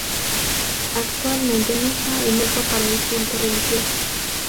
Actualmente no está en uso para el culto religioso.